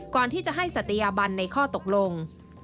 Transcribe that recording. ก่อนที่จะให้ศัตยาบันในข้อตกลง